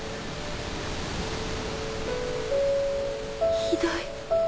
ひどい。